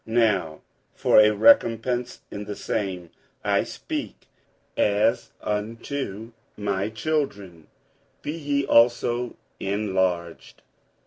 47:006:013 Now for a recompence in the same, (I speak as unto my children,) be ye also enlarged.